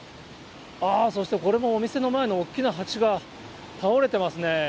あー、そしてこれもお店の前の大きな鉢が倒れてますね。